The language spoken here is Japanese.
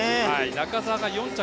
中澤が４着。